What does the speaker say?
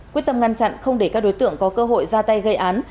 quyết tâm ngăn chặn không để các đối tượng có cơ hội ra tay gây án